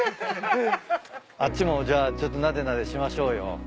あっちもじゃあちょっとなでなでしましょうよ。